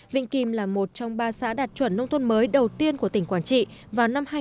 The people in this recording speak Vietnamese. vĩnh kim là một trong ba xã đạt chuẩn nông thôn mới đầu tiên của tỉnh quảng trị vào năm hai nghìn hai mươi